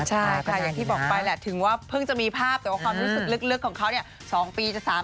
ที่บอกไปถึงว่าเพิ่งจะมีภาพ